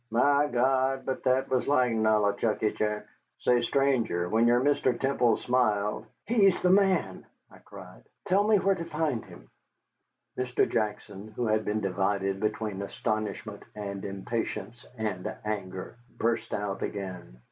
My God, but that was like Nollichucky Jack. Say, stranger, when your Mr. Temple smiled " "He is the man!" I cried; "tell me where to find him." Mr. Jackson, who had been divided between astonishment and impatience and anger, burst out again.